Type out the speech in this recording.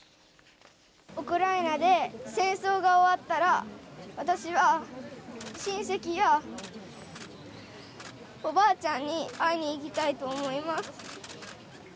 ウクライナで戦争が終わったら、私は親戚やおばあちゃんに会いに行きたいと思います。